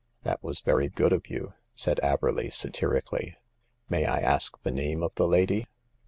" That was very good of you," said Averley, satirically. May I ask the name of the lady